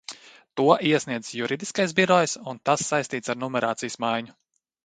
To iesniedzis Juridiskais birojs, un tas saistīts ar numerācijas maiņu.